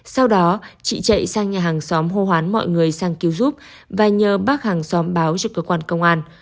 sau đó chị chạy sang nhà hàng xóm hô hoán mọi người sang cứu giúp và nhờ bác hàng xóm báo cho cơ quan công an